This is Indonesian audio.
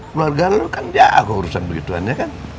keluarga lo kan jago urusan begituan ya kan